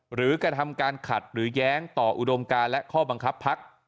กระทำการขัดหรือแย้งต่ออุดมการและข้อบังคับพัก